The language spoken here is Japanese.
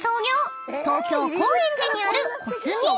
東京高円寺にある］